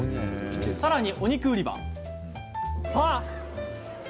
さらにお肉売り場では。